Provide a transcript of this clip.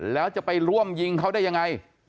แล้วจะไปร่วมยิงเขาได้ยังไง